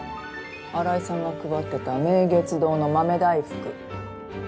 新井さんが配ってた明月堂の豆大福。